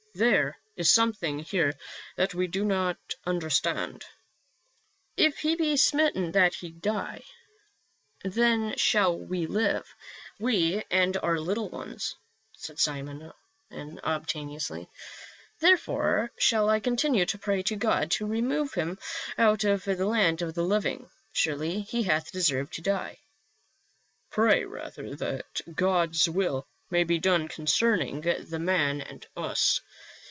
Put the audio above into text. There is something here that we do not understand." " If he be smitten that he die, then shall we live — we and our little ones," said Simon obstinately. "Therefore shall I continue to pray to God to remove him out of the land of the living. Surely he hath deserved to die." " Pray, rather, that God's will may be done concern ing the man and us.